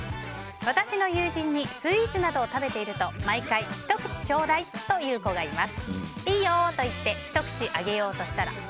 私の友人にスイーツなどを食べていると毎回、ひと口ちょうだいと言う子がいます。